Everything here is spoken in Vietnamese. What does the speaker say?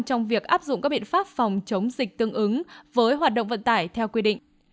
trong việc áp dụng các biện pháp phòng chống dịch tương ứng với hoạt động vận tải theo quy định